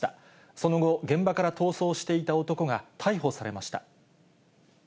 その後、現場から逃走していた男が逮捕されました。